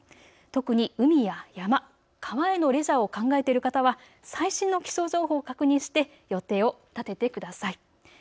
特に海や山、川へのレジャーを考えている方は最新の気象情報を確認して予定を立ててください。